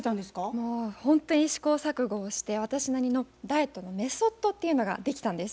もうほんとに試行錯誤をして私なりのダイエットのメソッドっていうのが出来たんです。